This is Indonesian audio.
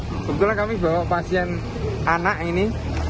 kebetulan kami bawa pasien anak ini